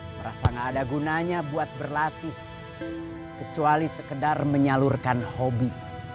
merasa gak ada gunanya buat berlatih kecuali sekedar menyalurkan hobi